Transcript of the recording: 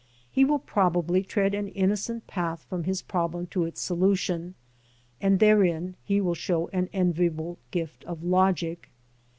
He will probably tread an innocent path from his problem to its solution, and therein he will show an enviable gift of logic.